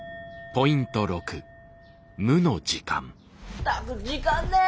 ったく時間ねえ。